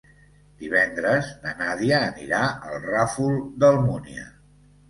Divendres na Nàdia anirà al Ràfol d'Almúnia.